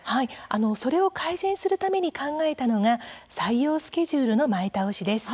それを改善するために考えたのが採用スケジュールの前倒しです。